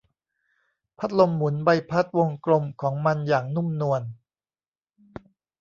พัดลมหมุนใบพัดวงกลมของมันอย่างนุ่มนวล